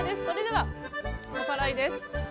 それではおさらいです。